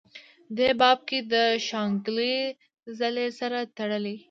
دې باب کې دَشانګلې ضلعې سره تړلي